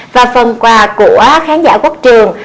và phần quà của khán giả quốc trường